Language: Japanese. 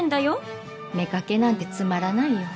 妾なんてつまらないよ。